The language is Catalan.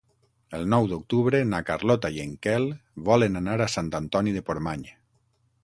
El nou d'octubre na Carlota i en Quel volen anar a Sant Antoni de Portmany.